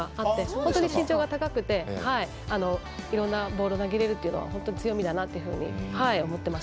本当に身長が高くていろいろなボールを投げられるというのは本当に強みだと思います。